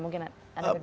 mungkin ada perbicaraan